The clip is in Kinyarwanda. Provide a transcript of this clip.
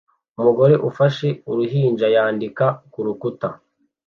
Umugore ufashe uruhinja yandika kurukuta